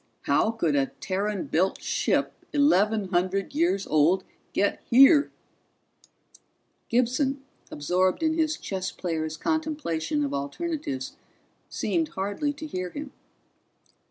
How could a Terran built ship eleven hundred years old get here?" Gibson, absorbed in his chess player's contemplation of alternatives, seemed hardly to hear him.